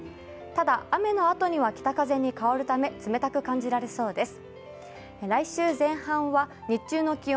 ただ、雨のあとには北風に変わるため、冷たく感じられそうです。